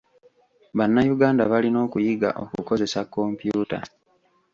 Bannayuganda balina okuyiga okukozesa kompyuta.